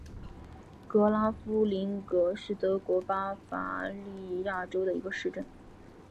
格拉夫林格是德国巴伐利亚州的一个市镇。